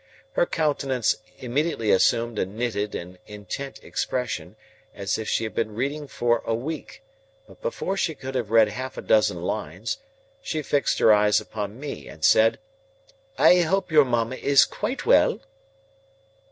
Her countenance immediately assumed a knitted and intent expression as if she had been reading for a week, but before she could have read half a dozen lines, she fixed her eyes upon me, and said, "I hope your mamma is quite well?"